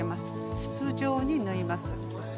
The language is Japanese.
筒状に縫います。